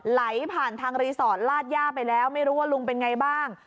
ไหลผ่านทางรีสอร์ทลาดย่าไปแล้วไม่รู้ว่าลุงเป็นไงบ้าง